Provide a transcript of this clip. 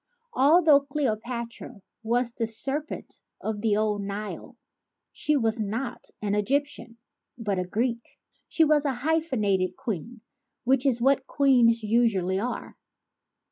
Altho Cleopatra was the Serpent of the Old Nile she was not an Egyptian but a Greek ; she was a hyphenated queen, which is what queens usually are.